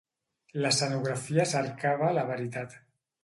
L'escenografia cercava la veritat.